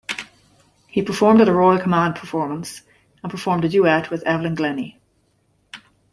He performed at a Royal Command Performance, and performed a duet with Evelyn Glennie.